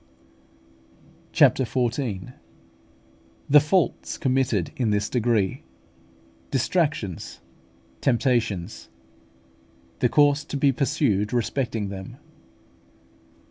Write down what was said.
CHAPTER XIV. THE FAULTS COMMITTED IN THIS DEGREE DISTRACTIONS, TEMPTATIONS THE COURSE TO BE PURSUED RESPECTING THEM.